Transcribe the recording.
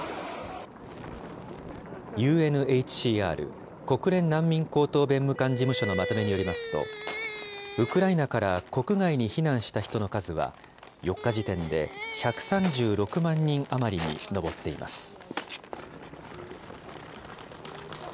ＵＮＨＣＲ・国連難民高等弁務官事務所のまとめによりますと、ウクライナから国外に避難した人の数は、４日時点で１３６万人余りに上っています。